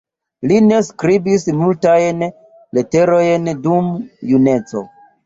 Li ne skribis multajn leterojn dum juneco.